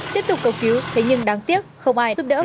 tiếp tục cầu cứu thế nhưng đáng tiếc không ai giúp đỡ